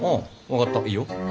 分かったいいよ。